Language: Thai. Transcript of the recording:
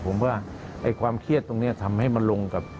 ผมว่าความเครียดตรงนี้ทำให้มันลงกับ